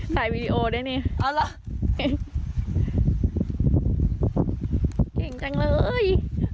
เก่งจังเลย